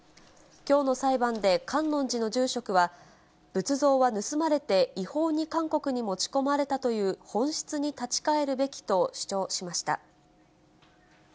きょうの裁判で観音寺の住職は、仏像は盗まれて違法に韓国に持ち込まれたという本質に立ち返るべきと主張しました。